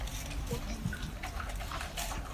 Abantu baffe babadde balwadde nnyo emabega eyo.